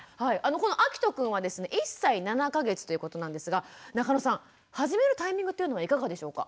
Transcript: このあきとくんはですね１歳７か月ということなんですが中野さん始めるタイミングというのはいかがでしょうか？